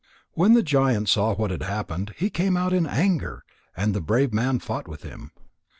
When the giant saw what had happened, he came out in anger, and the brave man fought with him.